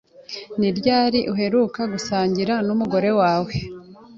Ni ryari uheruka gusangira n'umugore wawe?